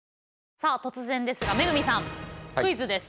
さあ突然ですが恵さんクイズです。